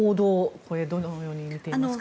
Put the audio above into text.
これ、どのように見ていますか？